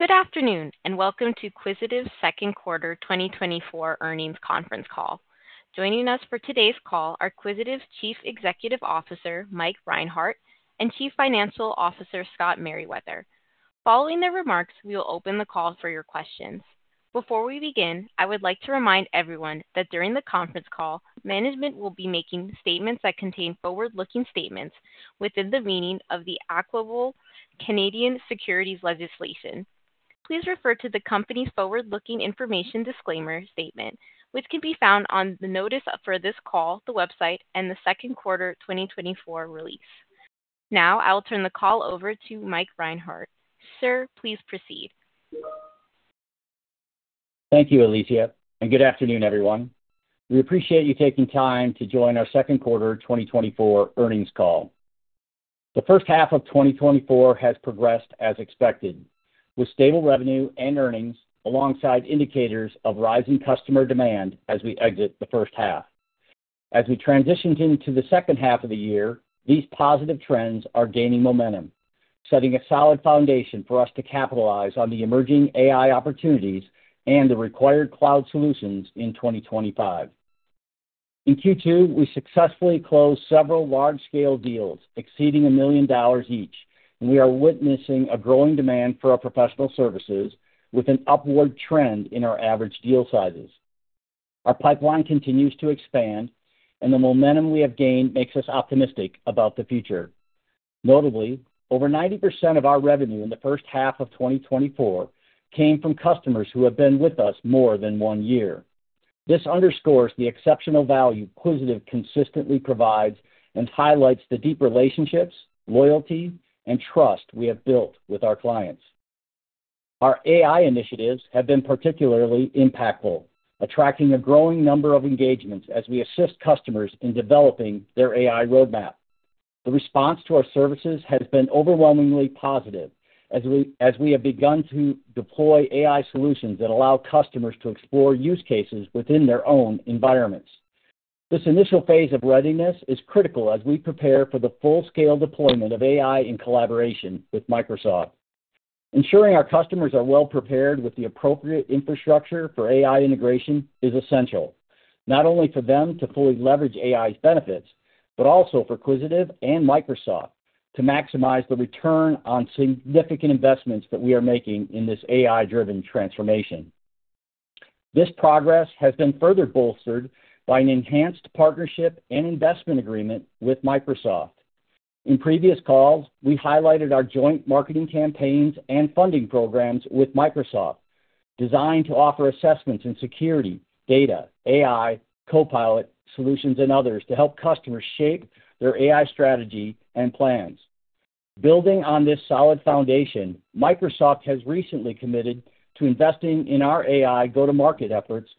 Good afternoon, and welcome to Quisitive's Second Quarter 2024 Earnings Conference Call. Joining us for today's call are Quisitive's Chief Executive Officer, Mike Reinhart, and Chief Financial Officer, Scott Meriwether. Following their remarks, we will open the call for your questions. Before we begin, I would like to remind everyone that during the conference call, management will be making statements that contain forward-looking statements within the meaning of the applicable Canadian securities legislation. Please refer to the company's forward-looking information disclaimer statement, which can be found on the notice for this call, the website, and the second quarter 2024 release. Now, I'll turn the call over to Mike Reinhart. Sir, please proceed. Thank you, Alicia, and good afternoon, everyone. We appreciate you taking time to join our second quarter 2024 earnings call. The first half of 2024 has progressed as expected, with stable revenue and earnings alongside indicators of rising customer demand as we exit the first half. As we transition into the second half of the year, these positive trends are gaining momentum, setting a solid foundation for us to capitalize on the emerging AI opportunities and the required cloud solutions in 2025. In Q2, we successfully closed several large-scale deals exceeding $1 million each, and we are witnessing a growing demand for our professional services with an upward trend in our average deal sizes. Our pipeline continues to expand, and the momentum we have gained makes us optimistic about the future. Notably, over 90% of our revenue in the first half of 2024 came from customers who have been with us more than 1 year. This underscores the exceptional value Quisitive consistently provides and highlights the deep relationships, loyalty, and trust we have built with our clients. Our AI initiatives have been particularly impactful, attracting a growing number of engagements as we assist customers in developing their AI roadmap. The response to our services has been overwhelmingly positive as we have begun to deploy AI solutions that allow customers to explore use cases within their own environments. This initial phase of readiness is critical as we prepare for the full-scale deployment of AI in collaboration with Microsoft. Ensuring our customers are well-prepared with the appropriate infrastructure for AI integration is essential, not only for them to fully leverage AI's benefits, but also for Quisitive and Microsoft to maximize the return on significant investments that we are making in this AI-driven transformation. This progress has been further bolstered by an enhanced partnership and investment agreement with Microsoft. In previous calls, we highlighted our joint marketing campaigns and funding programs with Microsoft, designed to offer assessments in security, data, AI, Copilot, solutions, and others to help customers shape their AI strategy and plans. Building on this solid foundation, Microsoft has recently committed to investing in our AI go-to-market efforts,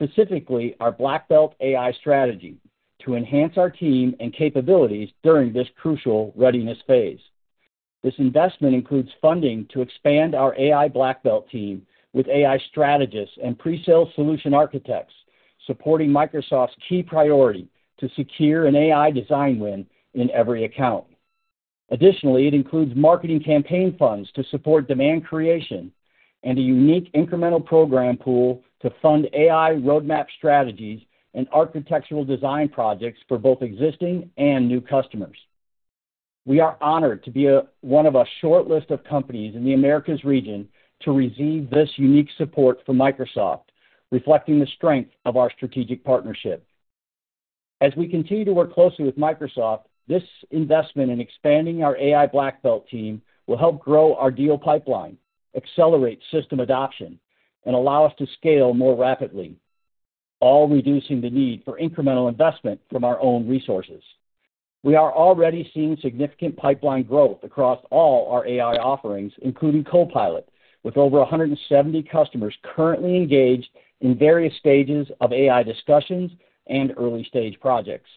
specifically our Black Belt AI strategy, to enhance our team and capabilities during this crucial readiness phase. This investment includes funding to expand our AI Black Belt team with AI strategists and pre-sale solution architects, supporting Microsoft's key priority to secure an AI design win in every account. Additionally, it includes marketing campaign funds to support demand creation and a unique incremental program pool to fund AI roadmap strategies and architectural design projects for both existing and new customers. We are honored to be one of a short list of companies in the Americas region to receive this unique support from Microsoft, reflecting the strength of our strategic partnership. As we continue to work closely with Microsoft, this investment in expanding our AI Black Belt team will help grow our deal pipeline, accelerate system adoption, and allow us to scale more rapidly, all reducing the need for incremental investment from our own resources. We are already seeing significant pipeline growth across all our AI offerings, including Copilot, with over 170 customers currently engaged in various stages of AI discussions and early-stage projects.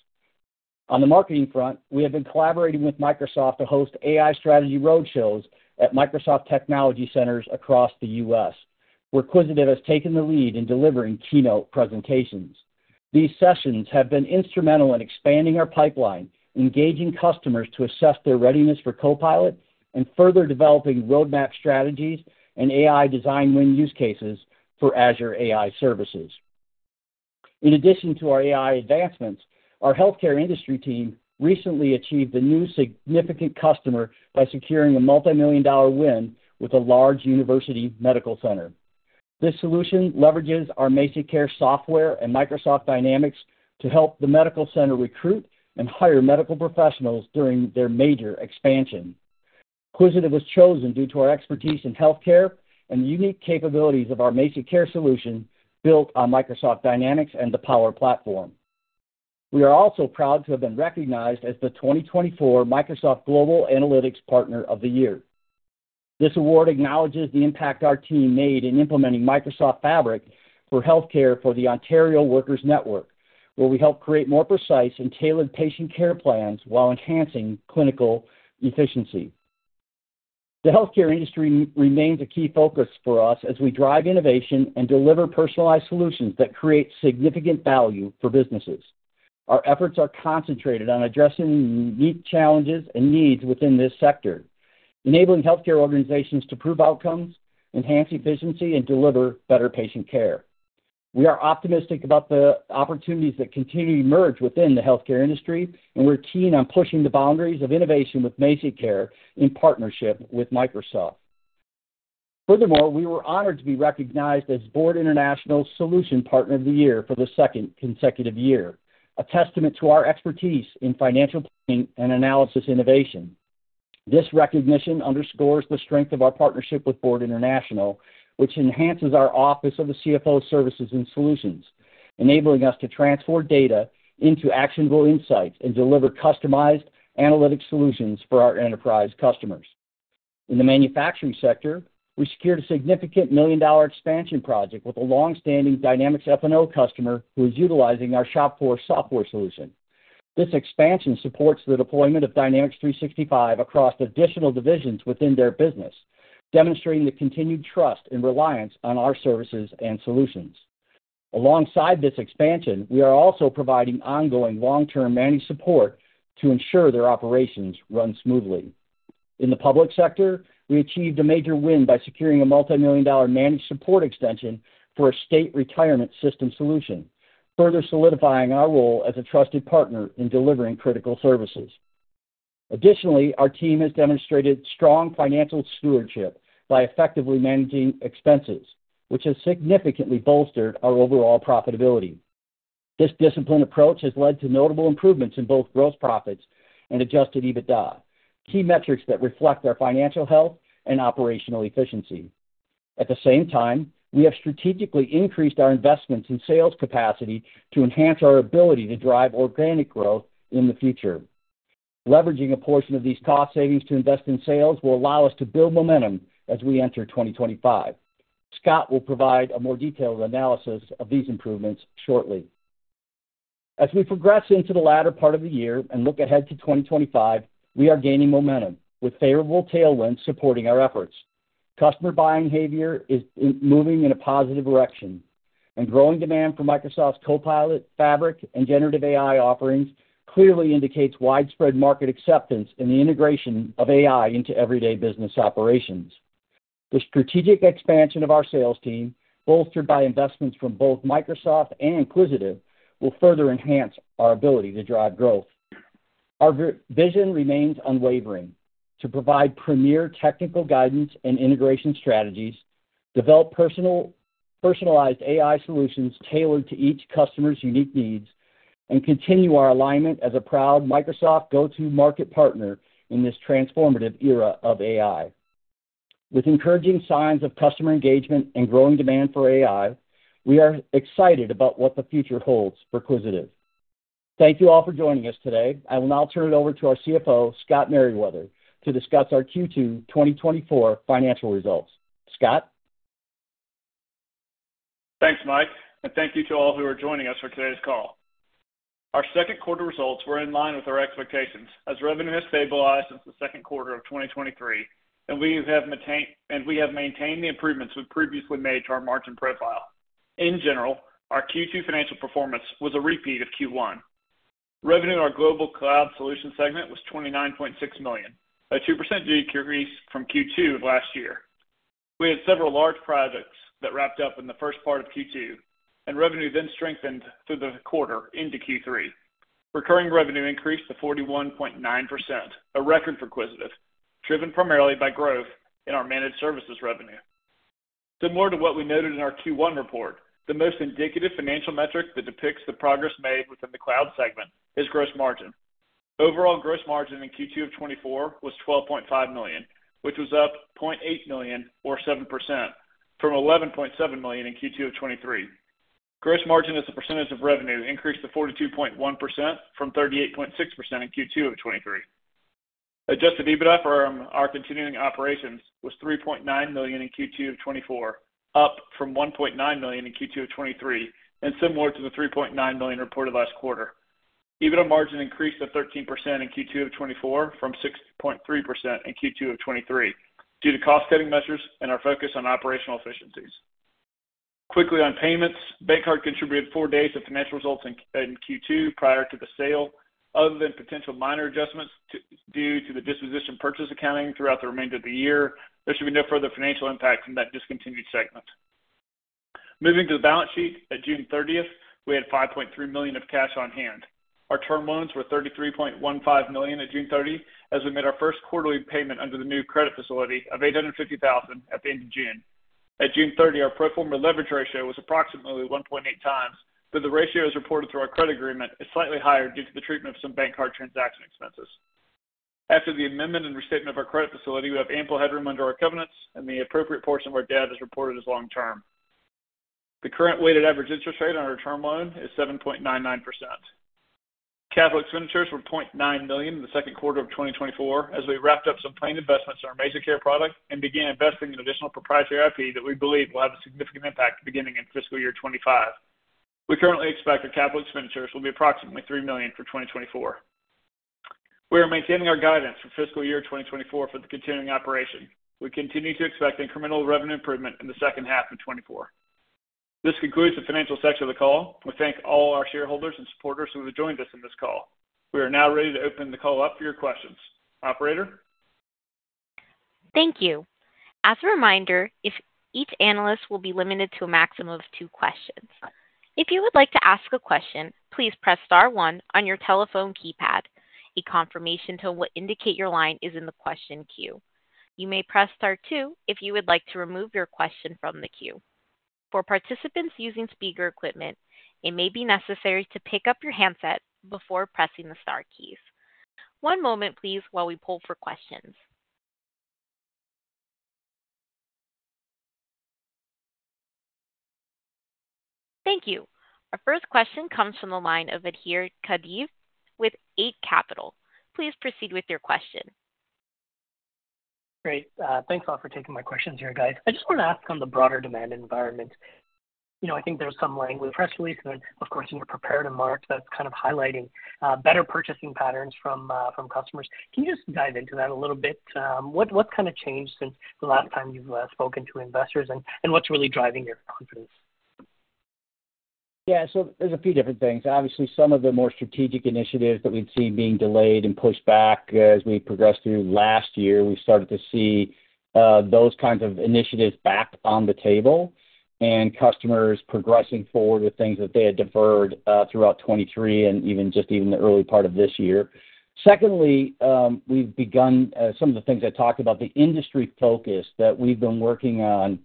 On the marketing front, we have been collaborating with Microsoft to host AI strategy roadshows at Microsoft technology centers across the U.S., where Quisitive has taken the lead in delivering keynote presentations. These sessions have been instrumental in expanding our pipeline, engaging customers to assess their readiness for Copilot, and further developing roadmap strategies and AI design win use cases for Azure AI services. In addition to our AI advancements, our healthcare industry team recently achieved a new significant customer by securing a multimillion-dollar win with a large university medical center. This solution leverages our MazikCare software and Microsoft Dynamics to help the medical center recruit and hire medical professionals during their major expansion. Quisitive was chosen due to our expertise in healthcare and the unique capabilities of our MazikCare solution, built on Microsoft Dynamics and the Power Platform. We are also proud to have been recognized as the 2024 Microsoft Global Analytics Partner of the Year. This award acknowledges the impact our team made in implementing Microsoft Fabric for healthcare for the Ontario Workers Network, where we help create more precise and tailored patient care plans while enhancing clinical efficiency. The healthcare industry remains a key focus for us as we drive innovation and deliver personalized solutions that create significant value for businesses. Our efforts are concentrated on addressing the unique challenges and needs within this sector, enabling healthcare organizations to prove outcomes, enhance efficiency, and deliver better patient care. We are optimistic about the opportunities that continue to emerge within the healthcare industry, and we're keen on pushing the boundaries of innovation with MazikCare in partnership with Microsoft. Furthermore, we were honored to be recognized as Board International Solution Partner of the Year for the second consecutive year, a testament to our expertise in financial planning and analysis innovation. This recognition underscores the strength of our partnership with Board International, which enhances our office of the CFO services and solutions, enabling us to transform data into actionable insights and deliver customized analytic solutions for our enterprise customers. In the manufacturing sector, we secured a significant million-dollar expansion project with a long-standing Dynamics F&O customer, who is utilizing our ShopFloor software solution. This expansion supports the deployment of Dynamics 365 across additional divisions within their business, demonstrating the continued trust and reliance on our services and solutions. Alongside this expansion, we are also providing ongoing long-term managed support to ensure their operations run smoothly. In the public sector, we achieved a major win by securing a multimillion-dollar managed support extension for a state retirement system solution, further solidifying our role as a trusted partner in delivering critical services. Additionally, our team has demonstrated strong financial stewardship by effectively managing expenses, which has significantly bolstered our overall profitability. This disciplined approach has led to notable improvements in both gross profits and Adjusted EBITDA, key metrics that reflect our financial health and operational efficiency. At the same time, we have strategically increased our investments in sales capacity to enhance our ability to drive organic growth in the future. Leveraging a portion of these cost savings to invest in sales will allow us to build momentum as we enter 2025. Scott will provide a more detailed analysis of these improvements shortly. As we progress into the latter part of the year and look ahead to 2025, we are gaining momentum, with favorable tailwinds supporting our efforts. Customer buying behavior is moving in a positive direction, and growing demand for Microsoft's Copilot, Fabric, and generative AI offerings clearly indicates widespread market acceptance in the integration of AI into everyday business operations. The strategic expansion of our sales team, bolstered by investments from both Microsoft and Quisitive, will further enhance our ability to drive growth. Our vision remains unwavering: to provide premier technical guidance and integration strategies, develop personalized AI solutions tailored to each customer's unique needs, and continue our alignment as a proud Microsoft go-to-market partner in this transformative era of AI. With encouraging signs of customer engagement and growing demand for AI, we are excited about what the future holds for Quisitive. Thank you all for joining us today. I will now turn it over to our CFO, Scott Meriwether, to discuss our Q2 2024 financial results. Scott? Thanks, Mike, and thank you to all who are joining us for today's call. Our second quarter results were in line with our expectations, as revenue has stabilized since the second quarter of 2023, and we have maintained the improvements we've previously made to our margin profile. In general, our Q2 financial performance was a repeat of Q1. Revenue in our Global Cloud Solutions segment was $29.6 million, a 2% year increase from Q2 of last year. We had several large projects that wrapped up in the first part of Q2, and revenue then strengthened through the quarter into Q3. Recurring revenue increased to 41.9%, a record for Quisitive, driven primarily by growth in our managed services revenue. Similar to what we noted in our Q1 report, the most indicative financial metric that depicts the progress made within the cloud segment is gross margin. Overall gross margin in Q2 of 2024 was $12.5 million, which was up $0.8 million, or 7%, from $11.7 million in Q2 of 2023. Gross margin as a percentage of revenue increased to 42.1% from 38.6% in Q2 of 2023. Adjusted EBITDA from our continuing operations was $3.9 million in Q2 of 2024, up from $1.9 million in Q2 of 2023 and similar to the $3.9 million reported last quarter. EBITDA margin increased to 13% in Q2 of 2024 from 6.3% in Q2 of 2023, due to cost-cutting measures and our focus on operational efficiencies. Quickly on payments, BankCard contributed four days of financial results in Q2 prior to the sale. Other than potential minor adjustments to due to the disposition purchase accounting throughout the remainder of the year, there should be no further financial impact from that discontinued segment. Moving to the balance sheet, at June 30, we had $5.3 million of cash on hand. Our term loans were $33.15 million at June 30, as we made our first quarterly payment under the new credit facility of $850,000 at the end of June. At June 30, our pro forma leverage ratio was approximately 1.8x, though the ratio as reported through our credit agreement is slightly higher due to the treatment of some BankCard transaction expenses. After the amendment and restatement of our credit facility, we have ample headroom under our covenants, and the appropriate portion of our debt is reported as long term. The current weighted average interest rate on our term loan is 7.99%. Capital expenditures were $0.9 million in the second quarter of 2024, as we wrapped up some planned investments in our MazikCare product and began investing in additional proprietary IP that we believe will have a significant impact beginning in fiscal year 2025. We currently expect that capital expenditures will be approximately $3 million for 2024. We are maintaining our guidance for fiscal year 2024 for the continuing operation. We continue to expect incremental revenue improvement in the second half of 2024. This concludes the financial section of the call. We thank all our shareholders and supporters who have joined us in this call. We are now ready to open the call up for your questions. Operator? Thank you. As a reminder, if each analyst will be limited to a maximum of two questions. If you would like to ask a question, please press star one on your telephone keypad. A confirmation tone will indicate your line is in the question queue. You may press star two if you would like to remove your question from the queue. For participants using speaker equipment, it may be necessary to pick up your handset before pressing the star keys. One moment, please, while we poll for questions. Thank you. Our first question comes from the line of Adhir Kadve with Eight Capital. Please proceed with your question. Great. Thanks a lot for taking my questions here, guys. I just want to ask on the broader demand environment. You know, I think there's some language, press release, and then, of course, in your prepared remarks, that's kind of highlighting better purchasing patterns from from customers. Can you just dive into that a little bit? What's kind of changed since the last time you've spoken to investors, and what's really driving your confidence? Yeah, so there's a few different things. Obviously, some of the more strategic initiatives that we'd seen being delayed and pushed back as we progressed through last year, we started to see those kinds of initiatives back on the table and customers progressing forward with things that they had deferred throughout 2023 and even just the early part of this year. Secondly, we've begun some of the things I talked about, the industry focus that we've been working on,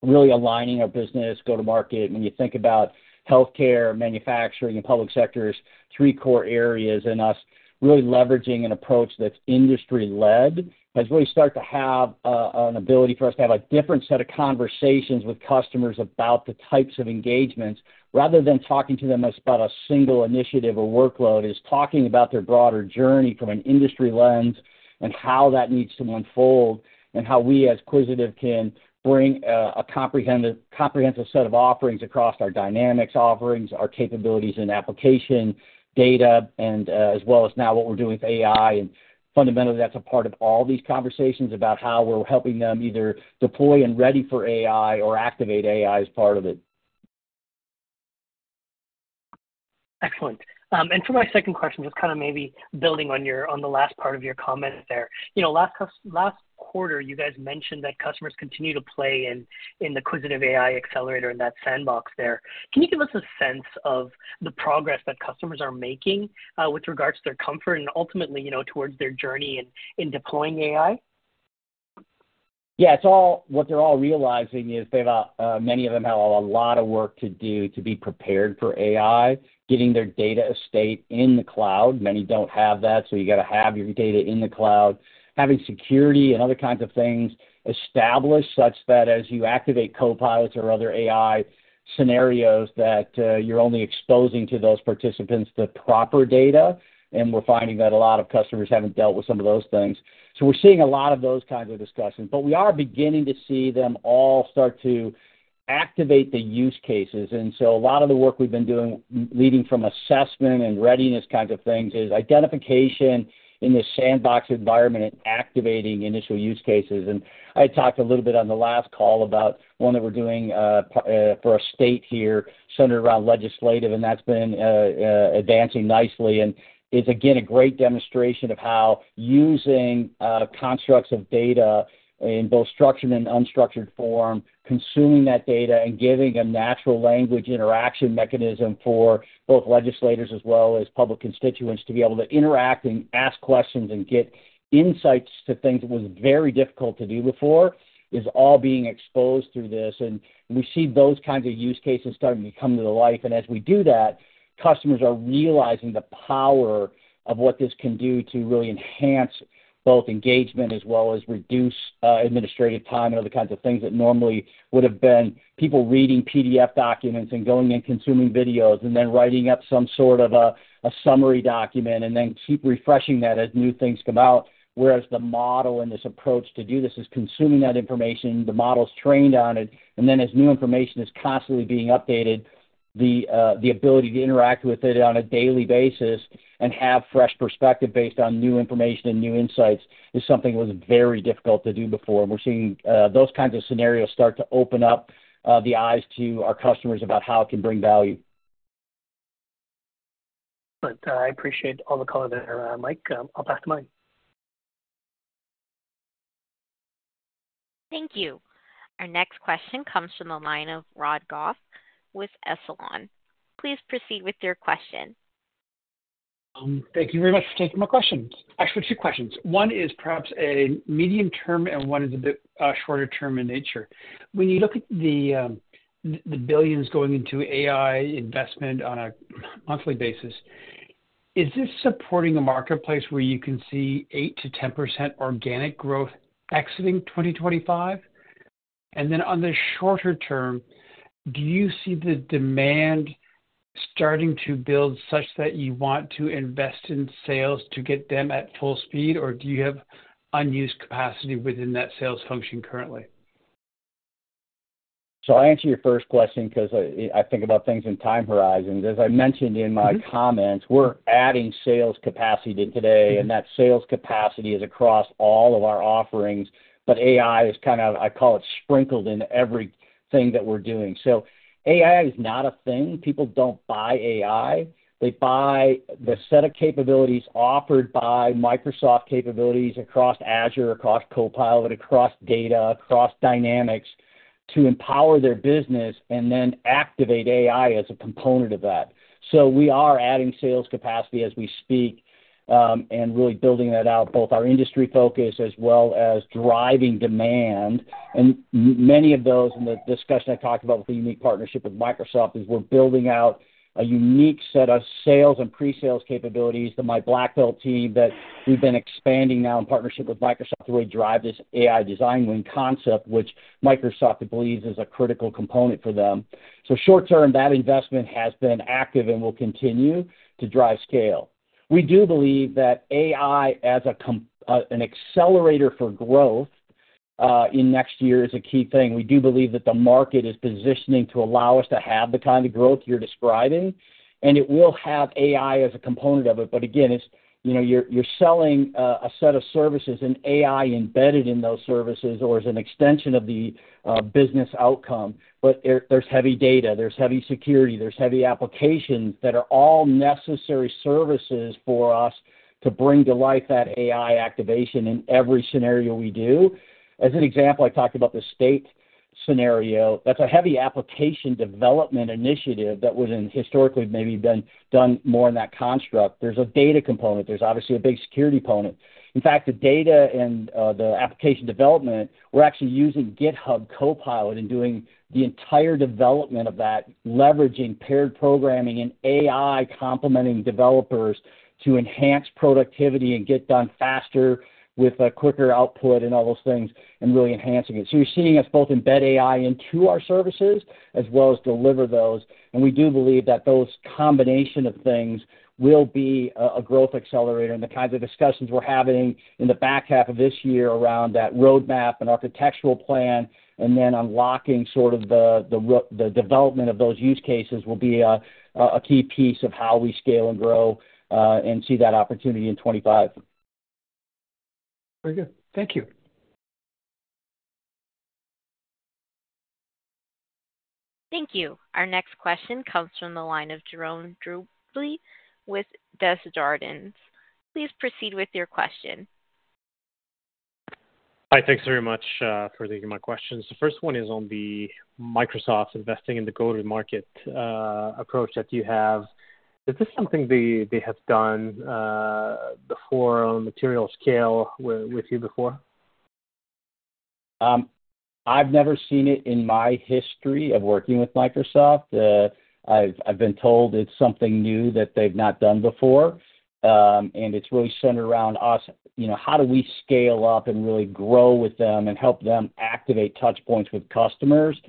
really aligning our business, go-to-market. When you think about healthcare, manufacturing, and public sectors, three core areas, and us really leveraging an approach that's industry-led, has really started to have an ability for us to have a different set of conversations with customers about the types of engagements, rather than talking to them as about a single initiative or workload, is talking about their broader journey from an industry lens and how that needs to unfold, and how we, as Quisitive, can bring a comprehensive set of offerings across our dynamics offerings, our capabilities in application, data, and as well as now what we're doing with AI. And fundamentally, that's a part of all these conversations about how we're helping them either deploy and ready for AI or activate AI as part of it. Excellent. And for my second question, just kind of maybe building on your on the last part of your comment there. You know, last quarter, you guys mentioned that customers continue to play in the Quisitive AI accelerator in that sandbox there. Can you give us a sense of the progress that customers are making with regards to their comfort and ultimately, you know, towards their journey in deploying AI? Yeah, what they're all realizing is they've many of them have a lot of work to do to be prepared for AI, getting their data estate in the cloud. Many don't have that, so you got to have your data in the cloud. Having security and other kinds of things established such that as you activate copilots or other AI scenarios, that you're only exposing to those participants the proper data, and we're finding that a lot of customers haven't dealt with some of those things. So we're seeing a lot of those kinds of discussions, but we are beginning to see them all start to activate the use cases. And so a lot of the work we've been doing, leading from assessment and readiness kinds of things, is identification in the sandbox environment and activating initial use cases. And I talked a little bit on the last call about one that we're doing for a state here centered around legislation, and that's been advancing nicely. And it's again a great demonstration of how using constructs of data in both structured and unstructured form, consuming that data, and giving a natural language interaction mechanism for both legislators as well as public constituents to be able to interact and ask questions and get insights to things that was very difficult to do before, is all being exposed through this. And we see those kinds of use cases starting to come to life. And as we do that, customers are realizing the power of what this can do to really enhance both engagement as well as reduce administrative time and other kinds of things that normally would have been people reading PDF documents and going and consuming videos, and then writing up some sort of a summary document, and then keep refreshing that as new things come out. Whereas the model and this approach to do this is consuming that information, the model's trained on it, and then as new information is constantly being updated, the ability to interact with it on a daily basis and have fresh perspective based on new information and new insights is something that was very difficult to do before. And we're seeing those kinds of scenarios start to open up the eyes to our customers about how it can bring value. But, I appreciate all the color there, Mike. I'll pass the mic. Thank you. Our next question comes from the line of Rob Goff with Echelon. Please proceed with your question. Thank you very much for taking my questions. Actually, two questions. One is perhaps a medium term, and one is a bit shorter term in nature. When you look at the billions going into AI investment on a monthly basis, is this supporting a marketplace where you can see 8%-10% organic growth exiting 2025? And then on the shorter term, do you see the demand starting to build such that you want to invest in sales to get them at full speed, or do you have unused capacity within that sales function currently? So I'll answer your first question 'cause I think about things in time horizons. As I mentioned in my comments, we're adding sales capacity today, and that sales capacity is across all of our offerings, but AI is kind of, I call it, sprinkled in everything that we're doing. So AI is not a thing. People don't buy AI. They buy the set of capabilities offered by Microsoft capabilities across Azure, across Copilot, across data, across Dynamics, to empower their business and then activate AI as a component of that. So we are adding sales capacity as we speak, and really building that out, both our industry focus as well as driving demand. Many of those, in the discussion I talked about with the unique partnership with Microsoft, is we're building out a unique set of sales and pre-sales capabilities to my black belt team that we've been expanding now in partnership with Microsoft, the way to drive this AI design win concept, which Microsoft believes is a critical component for them. So short term, that investment has been active and will continue to drive scale. We do believe that AI, as an accelerator for growth in next year, is a key thing. We do believe that the market is positioning to allow us to have the kind of growth you're describing, and it will have AI as a component of it. But again, it's, you know, you're selling a set of services and AI embedded in those services, or as an extension of the business outcome. But there's heavy data, there's heavy security, there's heavy applications that are all necessary services for us to bring to life that AI activation in every scenario we do. As an example, I talked about the state scenario. That's a heavy application development initiative that would have historically maybe been done more in that construct. There's a data component. There's obviously a big security component. In fact, the data and the application development, we're actually using GitHub Copilot and doing the entire development of that, leveraging paired programming and AI, complementing developers to enhance productivity and get done faster with a quicker output and all those things, and really enhancing it. So you're seeing us both embed AI into our services as well as deliver those, and we do believe that those combination of things will be a growth accelerator. And the kinds of discussions we're having in the back half of this year around that roadmap and architectural plan, and then unlocking sort of the development of those use cases, will be a key piece of how we scale and grow, and see that opportunity in 2025. Very good. Thank you. Thank you. Our next question comes from the line of J´erˆome Dubreuil with Desjardins. Please proceed with your question. Hi, thanks very much for taking my questions. The first one is on the Microsoft investing in the go-to-market approach that you have. Is this something they have done before on material scale with you before? I've never seen it in my history of working with Microsoft. I've been told it's something new that they've not done before, and it's really centered around us. You know, how do we scale up and really grow with them and help them activate touch points with customers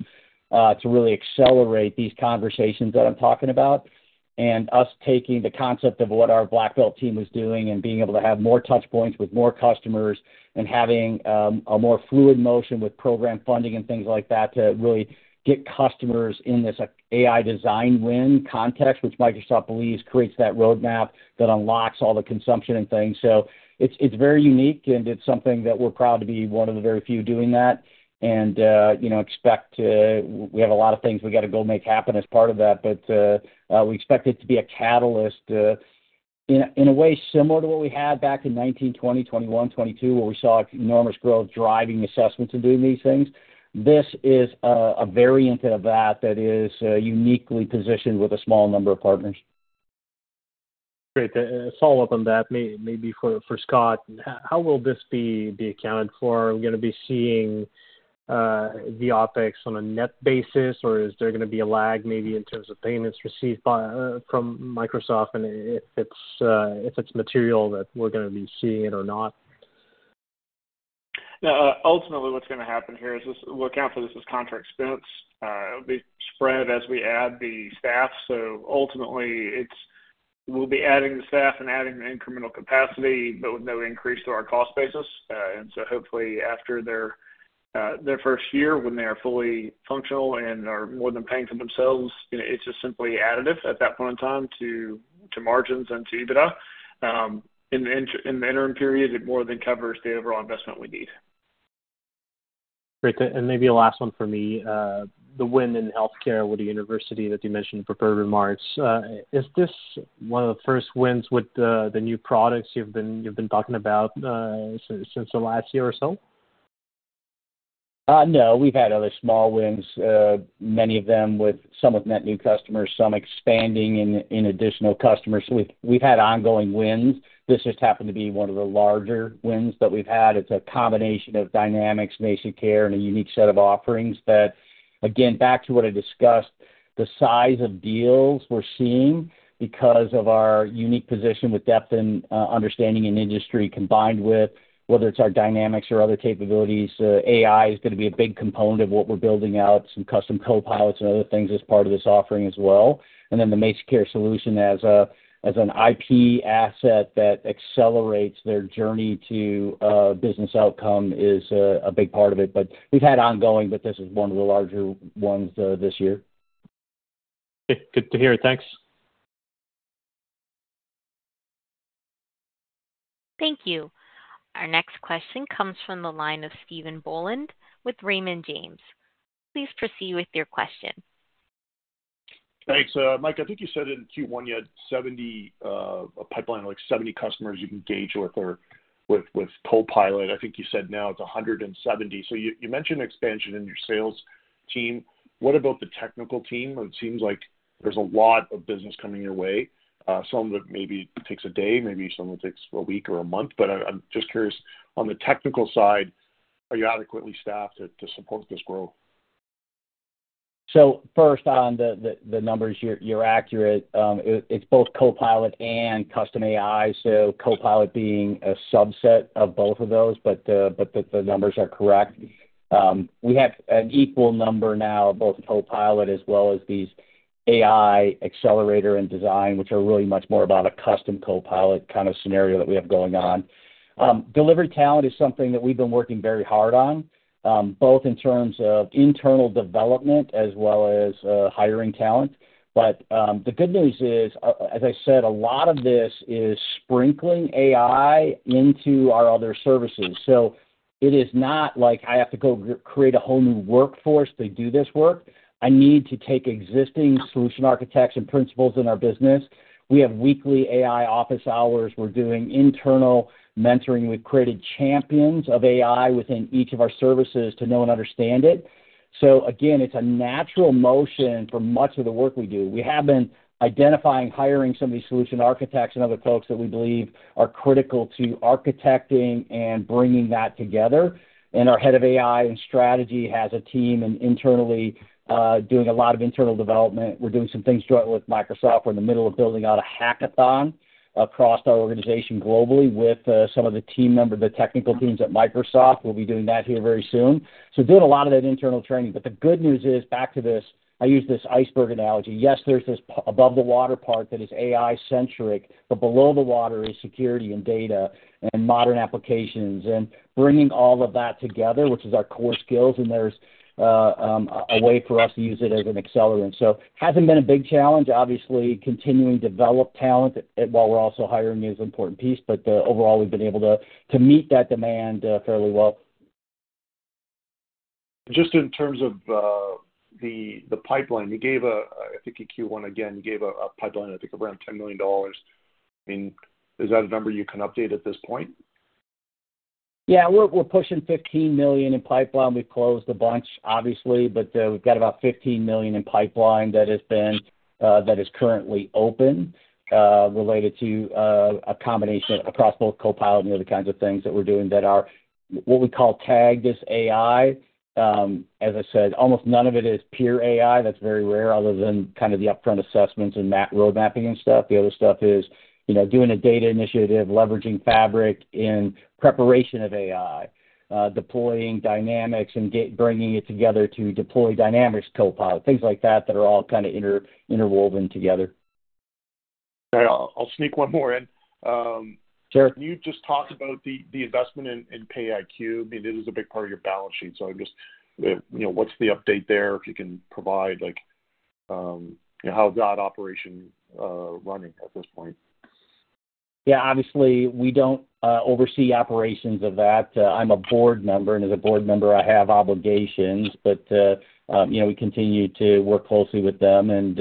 to really accelerate these conversations that I'm talking about, and us taking the concept of what our black belt team is doing and being able to have more touch points with more customers, and having a more fluid motion with program funding and things like that, to really get customers in this AI design win context, which Microsoft believes creates that roadmap that unlocks all the consumption and things, so it's very unique, and it's something that we're proud to be one of the very few doing that. You know, we have a lot of things we've got to go make happen as part of that. But we expect it to be a catalyst in a way similar to what we had back in 2019, 2020, 2021, 2022, where we saw enormous growth driving assessments and doing these things. This is a variant of that that is uniquely positioned with a small number of partners. Great. To follow up on that, maybe for Scott, how will this be accounted for? Are we gonna be seeing the OpEx on a net basis, or is there gonna be a lag maybe in terms of payments received from Microsoft? And if it's material that we're gonna be seeing it or not. Yeah, ultimately, what's gonna happen here is this. We'll account for this as contra expense. It'll be spread as we add the staff. So ultimately, it's, we'll be adding the staff and adding the incremental capacity, but with no increase to our cost basis, and so hopefully after their first year, when they are fully functional and are more than paying for themselves, you know, it's just simply additive at that point in time to margins and to EBITDA. In the interim period, it more than covers the overall investment we need. Great. And maybe a last one for me. The win in healthcare with the university that you mentioned in prepared remarks, is this one of the first wins with the new products you've been talking about since the last year or so? No, we've had other small wins, many of them with some net new customers, some expanding in additional customers. We've had ongoing wins. This just happened to be one of the larger wins that we've had. It's a combination of Dynamics, MazikCare, and a unique set of offerings that, again, back to what I discussed, the size of deals we're seeing because of our unique position with depth and understanding and industry, combined with whether it's our Dynamics or other capabilities. AI is gonna be a big component of what we're building out, some custom Copilots and other things as part of this offering as well. And then the MazikCare solution as an IP asset that accelerates their journey to business outcome is a big part of it, but we've had ongoing, but this is one of the larger ones this year. Good to hear it. Thanks. Thank you. Our next question comes from the line of Stephen Boland with Raymond James. Please proceed with your question. Thanks. Mike, I think you said in Q1 you had a pipeline of, like, 70 customers you can engage with or with Copilot. I think you said now it's 170. So you mentioned expansion in your sales team. What about the technical team? It seems like there's a lot of business coming your way. Some of it maybe takes a day, maybe some of it takes a week or a month, but I'm just curious, on the technical side, are you adequately staffed to support this growth? So first, on the numbers, you're accurate. It's both Copilot and custom AI, so Copilot being a subset of both of those, but the numbers are correct. We have an equal number now of both Copilot as well as these AI accelerator and design wins, which are really much more about a custom Copilot kind of scenario that we have going on. Delivery talent is something that we've been working very hard on, both in terms of internal development as well as hiring talent. But the good news is, as I said, a lot of this is sprinkling AI into our other services. So it is not like I have to go create a whole new workforce to do this work. I need to take existing solution architects and principals in our business. We have weekly AI office hours. We're doing internal mentoring. We've created champions of AI within each of our services to know and understand it. So again, it's a natural motion for much of the work we do. We have been identifying, hiring some of these solution architects and other folks that we believe are critical to architecting and bringing that together. And our head of AI and strategy has a team and internally, doing a lot of internal development. We're doing some things jointly with Microsoft. We're in the middle of building out a hackathon across our organization globally with some of the technical teams at Microsoft. We'll be doing that here very soon. So doing a lot of that internal training. But the good news is, back to this, I use this iceberg analogy. Yes, there's this part above the water that is AI-centric, but below the water is security and data and modern applications, and bringing all of that together, which is our core skills, and there's a way for us to use it as an accelerant. So hasn't been a big challenge. Obviously, continuing to develop talent while we're also hiring is an important piece, but overall, we've been able to meet that demand fairly well. Just in terms of the pipeline, you gave a, I think in Q1 again, you gave a pipeline, I think, around $10 million. I mean, is that a number you can update at this point? Yeah, we're pushing $15 million in pipeline. We've closed a bunch, obviously, but we've got about $15 million in pipeline that has been that is currently open related to a combination across both Copilot and the other kinds of things that we're doing that are what we call tagged as AI. As I said, almost none of it is pure AI. That's very rare, other than kind of the upfront assessments and map, road mapping and stuff. The other stuff is, you know, doing a data initiative, leveraging Fabric in preparation of AI, deploying Dynamics and bringing it together to deploy Dynamics Copilot, things like that, that are all kind of interwoven together. I'll sneak one more in. Sure. You just talked about the investment in PayiQ. I mean, it is a big part of your balance sheet, so I'm just you know what's the update there? If you can provide like you know how's that operation running at this point? Yeah, obviously, we don't oversee operations of that. I'm a board member, and as a board member, I have obligations. But you know, we continue to work closely with them, and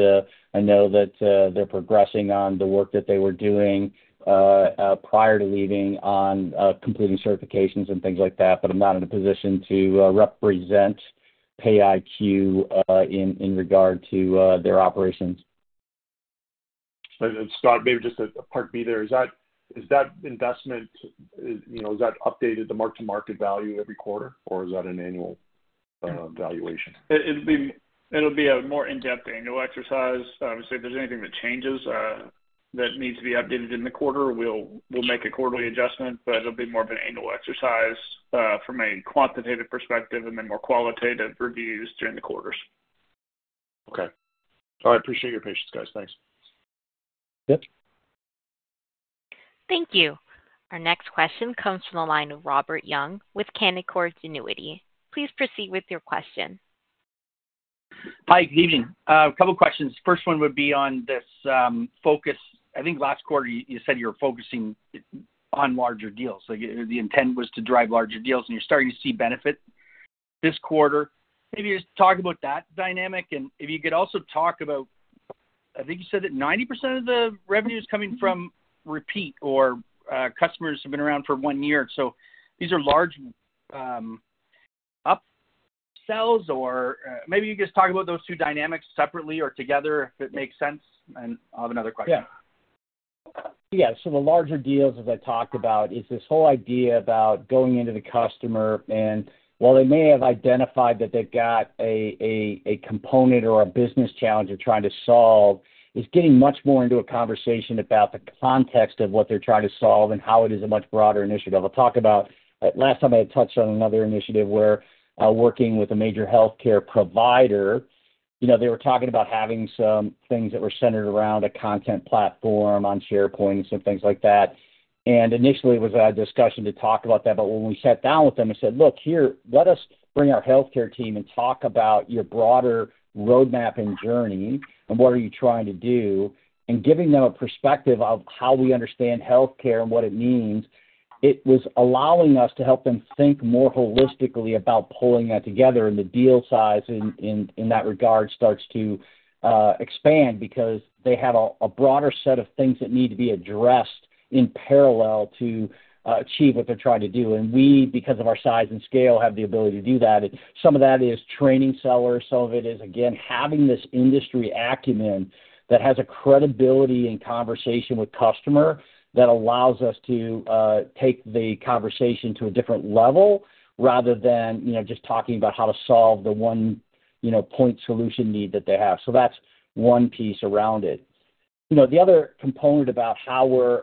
I know that they're progressing on the work that they were doing prior to leaving on completing certifications and things like that, but I'm not in a position to represent PayiQ in regard to their operations. Scott, maybe just a part B there. Is that investment, you know, is that updated the mark-to-market value every quarter, or is that an annual valuation? It'll be a more in-depth annual exercise. Obviously, if there's anything that changes that needs to be updated in the quarter, we'll make a quarterly adjustment, but it'll be more of an annual exercise from a quantitative perspective, and then more qualitative reviews during the quarters. Okay. I appreciate your patience, guys. Thanks. Yep. Thank you. Our next question comes from the line of Robert Young with Canaccord Genuity. Please proceed with your question. Hi, good evening. A couple questions. First one would be on this focus. I think last quarter, you said you were focusing on larger deals. So the intent was to drive larger deals, and you're starting to see benefit this quarter. Maybe just talk about that dynamic, and if you could also talk about, I think you said that 90% of the revenue is coming from repeat or customers who have been around for one year. So these are large up-sells, or maybe you just talk about those two dynamics separately or together, if it makes sense, and I'll have another question. Yeah. Yeah, so the larger deals, as I talked about, is this whole idea about going into the customer, and while they may have identified that they've got a component or a business challenge they're trying to solve, it's getting much more into a conversation about the context of what they're trying to solve and how it is a much broader initiative. I'll talk about. Last time, I had touched on another initiative where working with a major healthcare provider, you know, they were talking about having some things that were centered around a content platform on SharePoint and some things like that. And initially, it was a discussion to talk about that. But when we sat down with them and said, "Look, here, let us bring our healthcare team and talk about your broader road mapping journey and what are you trying to do," and giving them a perspective of how we understand healthcare and what it means, it was allowing us to help them think more holistically about pulling that together, and the deal size in that regard starts to expand because they have a broader set of things that need to be addressed in parallel to achieve what they're trying to do. And we, because of our size and scale, have the ability to do that. Some of that is training sellers. Some of it is, again, having this industry acumen that has a credibility and conversation with customer that allows us to take the conversation to a different level rather than, you know, just talking about how to solve the one, you know, point solution need that they have. So that's one piece around it. You know, the other component about how we're,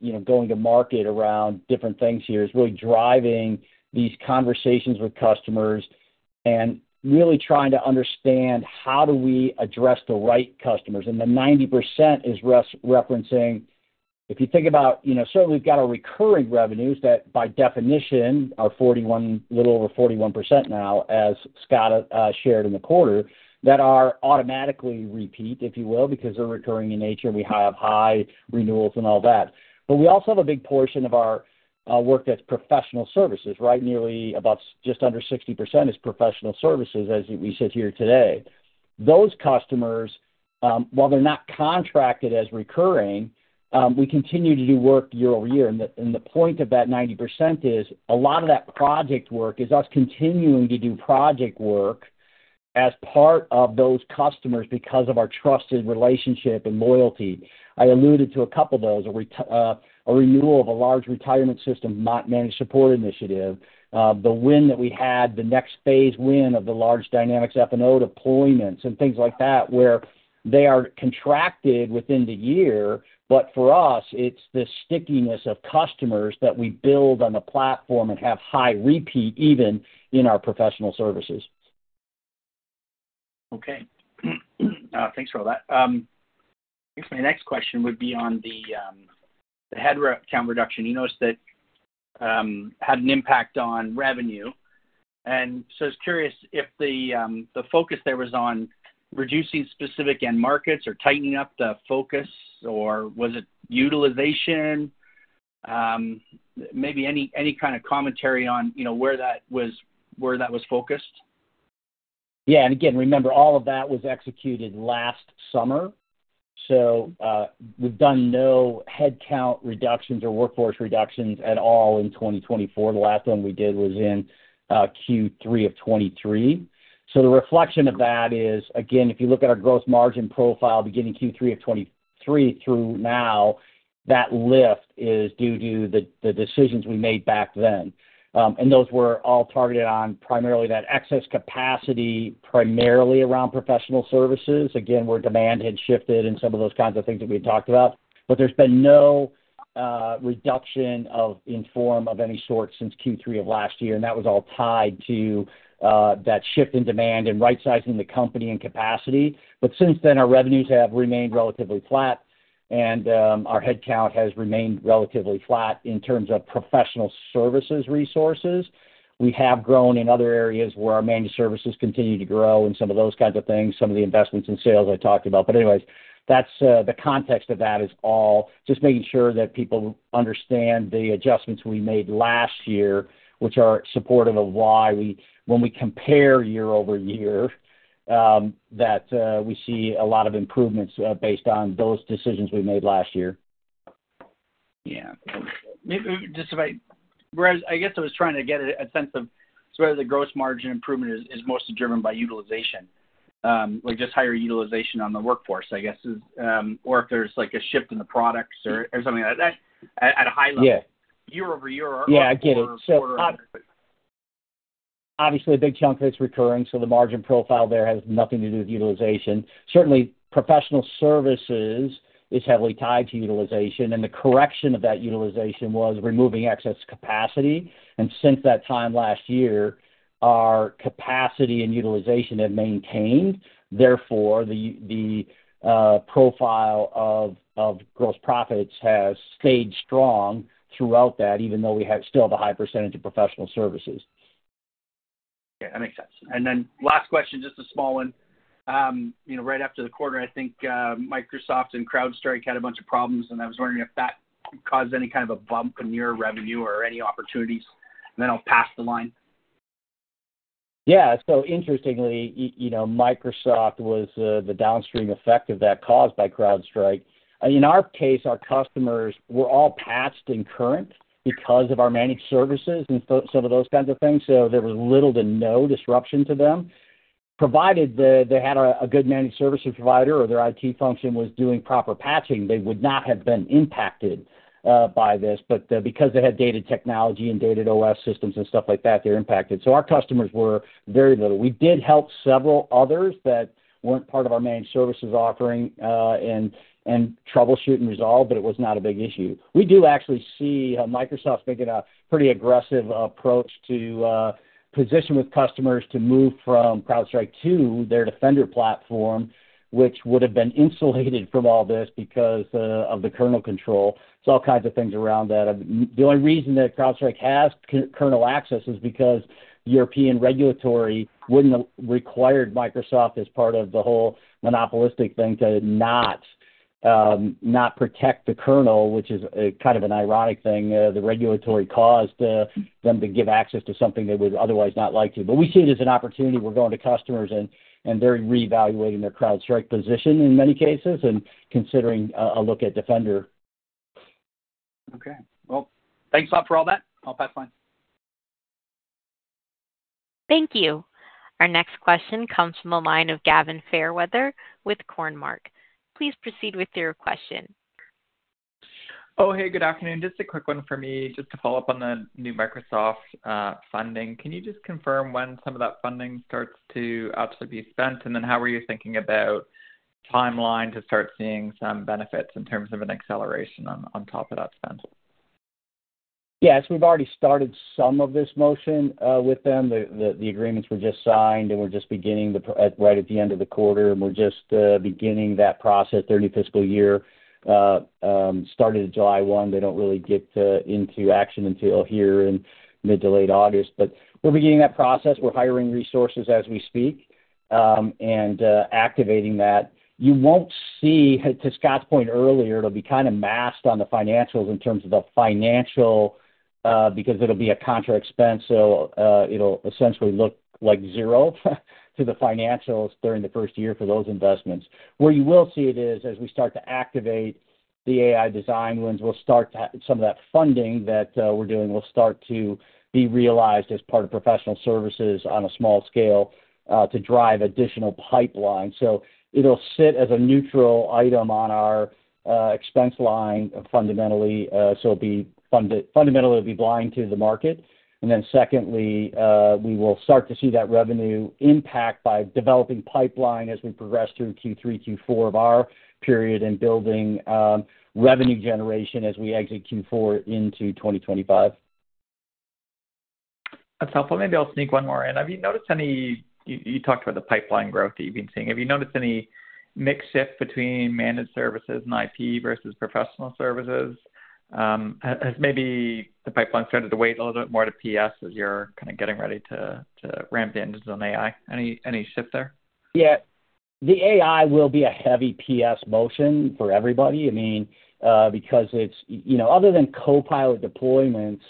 you know, going to market around different things here is really driving these conversations with customers and really trying to understand how do we address the right customers, and the 90% is referencing, if you think about, you know, certainly we've got our recurring revenues that, by definition, are 41%, a little over 41% now, as Scott shared in the quarter, that are automatically repeat, if you will, because they're recurring in nature, and we have high renewals and all that. But we also have a big portion of our work that's professional services, right? Nearly about just under 60% is professional services, as we sit here today. Those customers, while they're not contracted as recurring, we continue to do work year-over-year. And the point of that 90% is a lot of that project work is us continuing to do project work as part of those customers because of our trusted relationship and loyalty. I alluded to a couple of those, a renewal of a large retirement system, managed support initiative, the win that we had, the next phase win of the large Dynamics F&O deployments and things like that, where they are contracted within the year. But for us, it's the stickiness of customers that we build on the platform and have high repeat, even in our professional services. Okay. Thanks for all that. I guess my next question would be on the head count reduction. You noticed that had an impact on revenue, and so I was curious if the focus there was on reducing specific end markets or tightening up the focus, or was it utilization? Maybe any kind of commentary on, you know, where that was focused? Yeah, and again, remember, all of that was executed last summer, so we've done no headcount reductions or workforce reductions at all in 2024. The last one we did was in Q3 of 2023. So the reflection of that is, again, if you look at our gross margin profile beginning Q3 of 2023 through now, that lift is due to the decisions we made back then. And those were all targeted on primarily that excess capacity, primarily around professional services, again, where demand had shifted and some of those kinds of things that we had talked about. But there's been no reduction of any form, of any sort since Q3 of last year, and that was all tied to that shift in demand and rightsizing the company and capacity. But since then, our revenues have remained relatively flat, and our headcount has remained relatively flat in terms of professional services resources. We have grown in other areas where our managed services continue to grow and some of those kinds of things, some of the investments in sales I talked about. But anyways, that's the context of that is all just making sure that people understand the adjustments we made last year, which are supportive of why we, when we compare year-over-year, that we see a lot of improvements based on those decisions we made last year. Yeah. Maybe just if I, Whereas I guess I was trying to get a sense of whether the gross margin improvement is mostly driven by utilization, like, just higher utilization on the workforce, I guess, or if there's, like, a shift in the products or something like that, at a high level- Yeah. year-over-year or Yeah, I get it. Quarter-over-quarter. So obviously, a big chunk of it's recurring, so the margin profile there has nothing to do with utilization. Certainly, professional services is heavily tied to utilization, and the correction of that utilization was removing excess capacity. And since that time last year, our capacity and utilization have maintained. Therefore, the profile of gross profits has stayed strong throughout that, even though we still have a high percentage of professional services. Yeah, that makes sense, and then last question, just a small one, you know, right after the quarter, I think, Microsoft and CrowdStrike had a bunch of problems, and I was wondering if that caused any kind of a bump in your revenue or any opportunities, and then I'll pass the line. Yeah. So interestingly, you know, Microsoft was the downstream effect of that caused by CrowdStrike. In our case, our customers were all patched and current because of our managed services and some of those kinds of things, so there was little to no disruption to them, provided they had a good managed services provider or their IT function was doing proper patching, they would not have been impacted by this. But because they had dated technology and dated OS systems and stuff like that, they're impacted. So our customers were very little. We did help several others that weren't part of our managed services offering and troubleshoot and resolve, but it was not a big issue. We do actually see how Microsoft's taking a pretty aggressive approach to position with customers to move from CrowdStrike to their Defender platform, which would've been insulated from all this because of the kernel control, so all kinds of things around that. The only reason that CrowdStrike has kernel access is because European regulators wouldn't have required Microsoft as part of the whole monopolistic thing, to not protect the kernel, which is a kind of an ironic thing. The regulators caused them to give access to something they would otherwise not like to. But we see it as an opportunity. We're going to customers, and they're reevaluating their CrowdStrike position in many cases and considering a look at Defender. Okay. Well, thanks a lot for all that. I'll be fine. Thank you. Our next question comes from the line of Gavin Fairweather with Cormark. Please proceed with your question. Oh, hey, good afternoon. Just a quick one for me. Just to follow up on the new Microsoft funding. Can you just confirm when some of that funding starts to actually be spent? And then how are you thinking about timeline to start seeing some benefits in terms of an acceleration on top of that spend? Yes, we've already started some of this motion with them. The agreements were just signed, and we're just beginning right at the end of the quarter, and we're just beginning that process. Their new fiscal year started July 1. They don't really get into action until here in mid to late August, but we're beginning that process. We're hiring resources as we speak, and activating that. You won't see. To Scott's point earlier, it'll be kind of masked on the financials in terms of the financial because it'll be a contra expense, so it'll essentially look like zero to the financials during the first year for those investments. Where you will see it is, as we start to activate the AI design wins, we'll start some of that funding that we're doing will start to be realized as part of professional services on a small scale to drive additional pipeline. So it'll sit as a neutral item on our expense line fundamentally. So it'll be fundamentally, it'll be blind to the market. And then secondly, we will start to see that revenue impact by developing pipeline as we progress through Q3, Q4 of our period, and building revenue generation as we exit Q4 into 2025. That's helpful. Maybe I'll sneak one more in. Have you noticed any, you talked about the pipeline growth that you've been seeing. Have you noticed any mix shift between managed services and IP versus professional services? Has maybe the pipeline started to weight a little bit more to PS as you're kind of getting ready to ramp the engines on AI? Any shift there? Yeah. The AI will be a heavy PS motion for everybody. I mean, because it's, you know, other than Copilot deployments,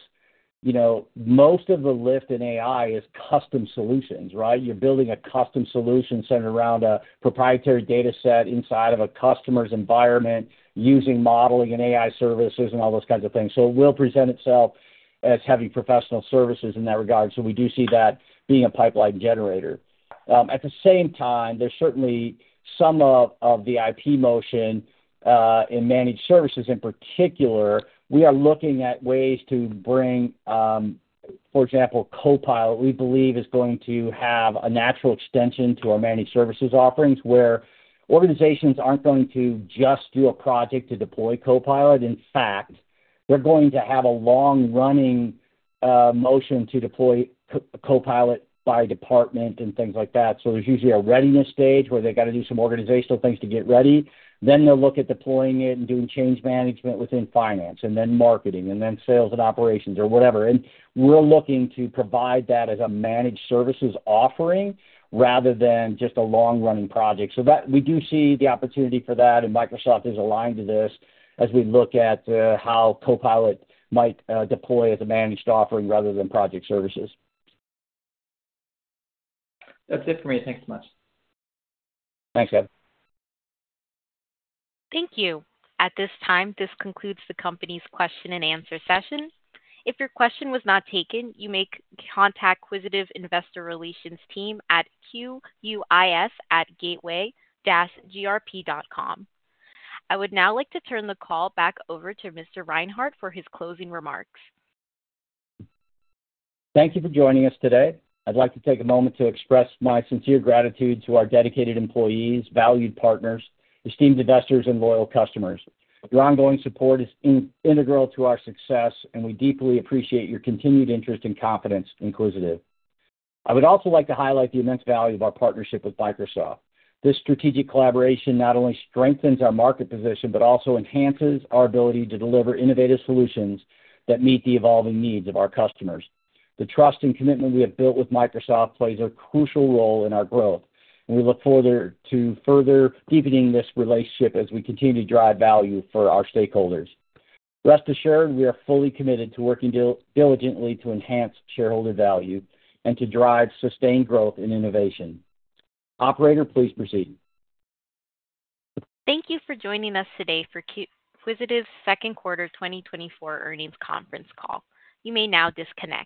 you know, most of the lift in AI is custom solutions, right? You're building a custom solution centered around a proprietary data set inside of a customer's environment, using modeling and AI services and all those kinds of things. So it will present itself as heavy professional services in that regard, so we do see that being a pipeline generator. At the same time, there's certainly some of the IP motion in managed services. In particular, we are looking at ways to bring. For example, Copilot, we believe, is going to have a natural extension to our managed services offerings, where organizations aren't going to just do a project to deploy Copilot. In fact, they're going to have a long-running motion to deploy Copilot by department and things like that. So there's usually a readiness stage where they've got to do some organizational things to get ready. Then they'll look at deploying it and doing change management within finance, and then marketing, and then sales and operations or whatever. And we're looking to provide that as a managed services offering rather than just a long-running project. So that we do see the opportunity for that, and Microsoft is aligned to this as we look at how Copilot might deploy as a managed offering rather than project services. That's it for me. Thank you much. Thanks, Gavin. Thank you. At this time, this concludes the company's question and answer session. If your question was not taken, you may contact Quisitive Investor Relations team at QUIS@gateway-grp.com. I would now like to turn the call back over to Mr. Reinhart for his closing remarks. Thank you for joining us today. I'd like to take a moment to express my sincere gratitude to our dedicated employees, valued partners, esteemed investors, and loyal customers. Your ongoing support is integral to our success, and we deeply appreciate your continued interest and confidence in Quisitive. I would also like to highlight the immense value of our partnership with Microsoft. This strategic collaboration not only strengthens our market position, but also enhances our ability to deliver innovative solutions that meet the evolving needs of our customers. The trust and commitment we have built with Microsoft plays a crucial role in our growth, and we look forward to further deepening this relationship as we continue to drive value for our stakeholders. Rest assured, we are fully committed to working diligently to enhance shareholder value and to drive sustained growth and innovation. Operator, please proceed. Thank you for joining us today for Quisitive's Second Quarter 2024 Earnings Conference Call. You may now disconnect.